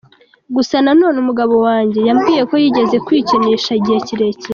Gusa nanone umugabo wanjye yambwiye ko yigeze kwikinisha igihe kirekire.